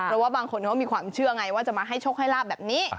เพราะว่าบางคนเขามีความเชื่อไงว่าจะมาให้โชคให้ลาบแบบนี้